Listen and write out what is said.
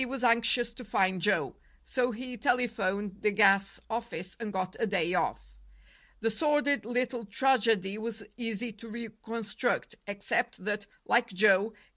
was anxious to find Joe; so he telephoned the gas office and got a day off. The sordid little tragedy was easy to reconstruct, except that, like Joe, K.